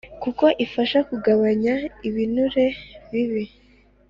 kuko ifasha kugabanya ibinure bibi